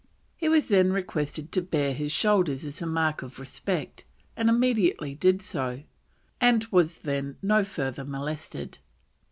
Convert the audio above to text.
He was then requested to bare his shoulders as a mark of respect, and immediately did so, and was then no further molested.